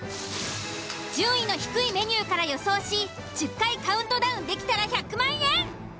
順位の低いメニューから予想し１０回カウントダウンできたら１００万円！